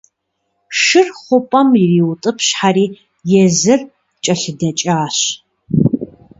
Шыр хъупӏэм ириутӏыпщхьэри, езыр кӏэлъыдэкӏащ.